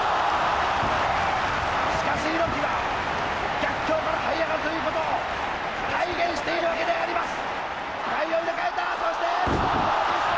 しかし、猪木は逆境からはい上がることを体現しているわけであります。